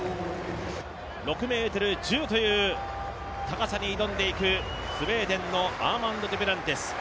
６ｍ１０という高さに挑んでいくスウェーデンのアーマンド・デュプランティス。